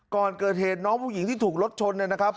ก่อนเกิดเหตุน้องผู้หญิงที่ถูกรถชนเนี่ยนะครับ